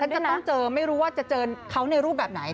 จะต้องเจอไม่รู้ว่าจะเจอเขาในรูปแบบไหน